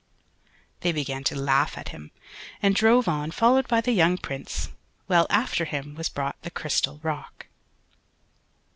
"] They began to laugh at him, and drove on followed by the young Prince, while after him was brought the crystal rock.